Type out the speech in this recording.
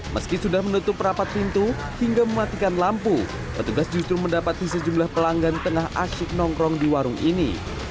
meski sudah menutup rapat pintu hingga mematikan lampu petugas justru mendapati sejumlah pelanggan tengah asyik nongkrong di warung ini